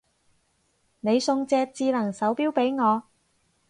你送隻智能手錶俾我